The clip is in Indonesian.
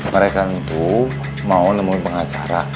mereka itu mau nemuin pengacara